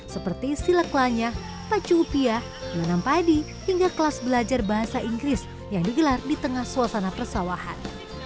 seperti silaklanya pacu upiah belanang padi hingga kelas belajar bahasa inggris yang digelar di tengah suasana persawahan